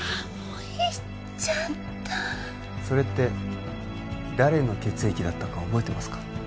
言っちゃったそれって誰の血液だったか覚えてますか？